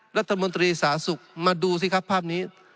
รัฐมนตรีสาธารณสุขมาดูสิครับภาพนี้